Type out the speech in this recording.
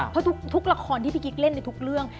เพราะทุกละครที่พี่กิ๊กเล่นในทุกเรื่อง